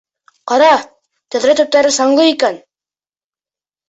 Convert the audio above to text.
Ҡара, тәҙрә төптәре саңлы икән.